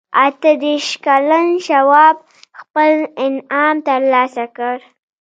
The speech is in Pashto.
اته دېرش کلن شواب خپل انعام ترلاسه کړ.